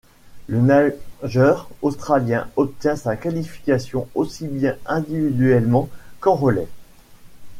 Le nageur australien obtient sa qualification aussi bien individuellement qu'en relais.